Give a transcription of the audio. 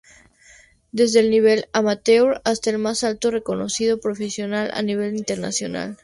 Desde el nivel amateur hasta el más alto y reconocido profesional a nivel internacional.